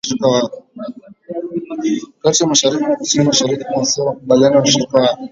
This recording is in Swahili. kati ya Mashariki na Kusini Mashariki mwa Asia Makubaliano ya Ushirika wa